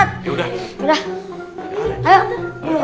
kita antar mas